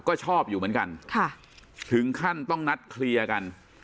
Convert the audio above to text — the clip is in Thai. ก็ชอบอยู่เหมือนกันค่ะถึงขั้นต้องนัดเคลียร์กัน